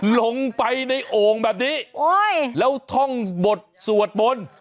ลงไปในโอ่งแบบนี้แล้วท่องบทสวดมนต์